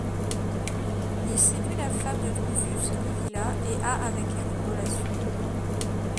Il séduit la femme de Drusus, Livilla, et a avec elle une relation.